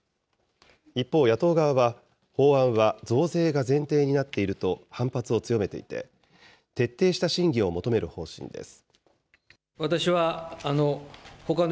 一方、野党側は法案は増税が前提になっていると反発を強めていて、徹底した審議を求める方針です。